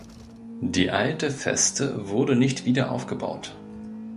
Die alte Feste wurde nicht wiederaufgebaut.